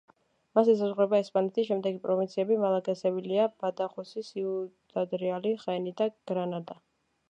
მას ესაზღვრება ესპანეთის შემდეგი პროვინციები: მალაგა, სევილია, ბადახოსი, სიუდად რეალი, ხაენი და გრანადა.